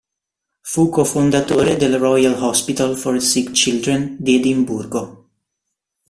Fu cofondatore del Royal Hospital for Sick Children di Edimburgo.